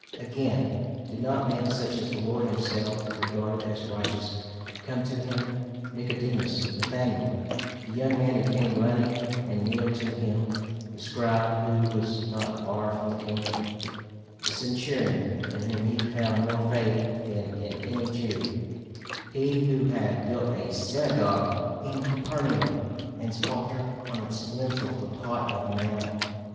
Again, did not men such as the Lord himself regarded as righteous come to him Nicodemus, Nathaniel, the young man who came running and kneeled to him, the scribe who was not far from the kingdom, the centurion, in whom he found more faith than in any Jew, he who had built a synagogue in Capernaum, and sculptured on its lintel the pot of manna?